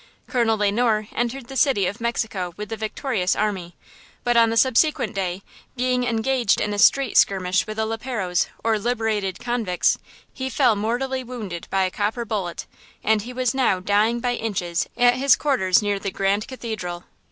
Colonel Le Noir entered the city of Mexico with the victorious army, but on the subsequent day, being engaged in a street skirmish with the leperos, or liberated convicts, he fell mortally wounded by a copper bullet, and he was now dying by inches at his quarters near the Grand Cathedral.